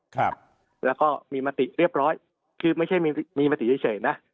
ครับแล้วก็มีมติเรียบร้อยคือไม่ใช่มีมีมติเฉยเฉยนะ